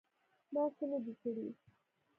_ما څه نه دي کړي.